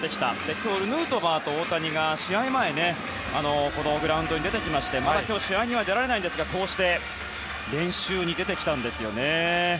今日はヌートバーと大谷が試合前にグラウンドに出てきて今日試合には出られないんですが練習に出てきたんですよね。